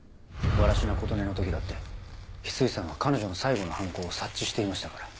藁科琴音の時だって翡翠さんは彼女の最後の犯行を察知していましたから。